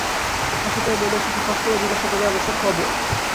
হাসি পায় বলিয়া শশী ফস করিয়া জিজ্ঞাসা করিয়া বসে, কবে?